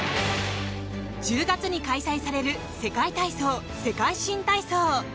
１０月に開催される世界体操・世界新体操。